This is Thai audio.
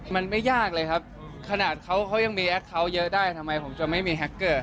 มันไม่ยากเลยครับขนาดเขาเขายังมีแอคเคาน์เยอะได้ทำไมผมจะไม่มีแฮคเกอร์